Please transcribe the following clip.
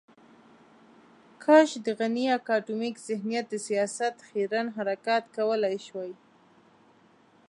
کاش د غني اکاډمیک ذهنیت د سياست خیرن حرکات کولای شوای.